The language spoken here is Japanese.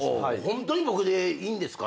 「ホントに僕でいいんですか？」